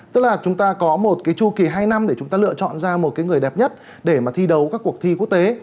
tức là chúng ta có một cái chu kỳ hai năm để chúng ta lựa chọn ra một cái người đẹp nhất để mà thi đấu các cuộc thi quốc tế